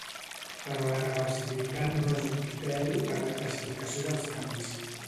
Però la reversibilitat no és un criteri per la classificació dels canvis.